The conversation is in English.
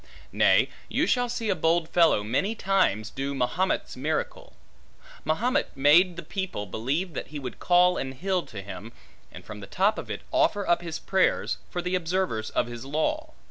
Nay, you shall see a bold fellow many times do Mahomet's miracle. Mahomet made the people believe that he would call an hill to him, and from the top of it offer up his prayers, for the observers of his law.